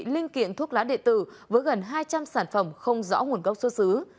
linh kiện thuốc lá địa tử với gần hai trăm linh sản phẩm không rõ nguồn gốc xuất xứ